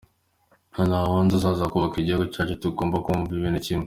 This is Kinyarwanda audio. Nta wundi uzaza kubaka igihugu cyacu tugomba kumva ibintu kimwe.